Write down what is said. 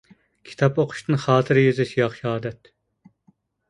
كىتاب ئوقۇشتىن خاتىرە يېزىش ياخشى ئادەت.